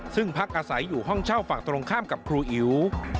ซึ่งพักอาศัยอยู่ห้องเช่าฝั่งตรงข้ามกับครูอิ๋ว